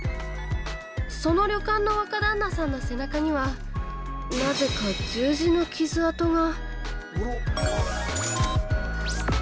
その旅館の若旦那さんの背中にはなぜか十字の傷跡が。